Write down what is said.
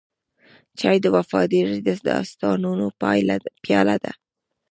چای د وفادارو دوستانو پیاله ده.